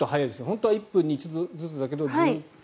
本当は１分に１度ずつだけど。